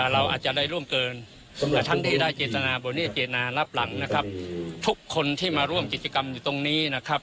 เราอาจจะได้ร่วมเกินสำหรับท่านที่ได้เจตนาบริเจนารับหลังนะครับทุกคนที่มาร่วมกิจกรรมอยู่ตรงนี้นะครับ